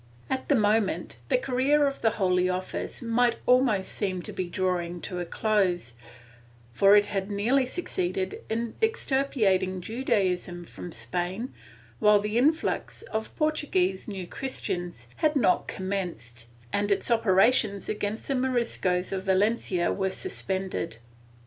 At the moment, the career of the Holy Oflfice might almost seem to be drawing to a close, for it had nearly succeeded in extirpating Judaism from Spain, while the influx of Portuguese New Chris tians had not commenced, and its operations against the Moriscos of Valencia were suspended.